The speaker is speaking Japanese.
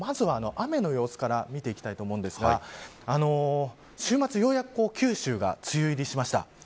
まずは、雨の様子から見ていきたいと思いますが週末、ようやく九州が梅雨入りしました。